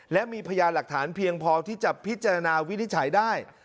และมีพยานหลักฐานเพียงพอที่จะพิจารณาวินิจฉัยได้